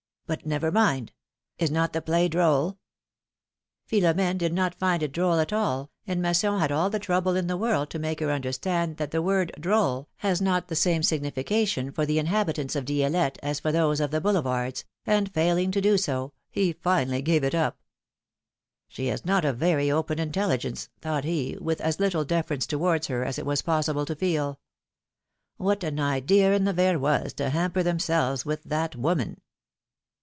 But, never mind. Is not the play droll ? Philomdne did not find it droll at all, and Masson had all the trouble in the world to make her understand that the word ^^drolP^ has not the same signification for the inhabitants of Dielette as for those of the boulevards, and, failing to do so, he finally gave it up. ^^She has not a very open intelligence,^' thought he, with as little deference towards her as it was possible to feel. ^^What an idea in the Verroys to hamper them selves with that woman